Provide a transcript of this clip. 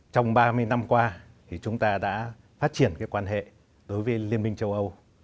trong ba mươi năm qua chúng ta đã phát triển quan hệ đối với liên minh châu âu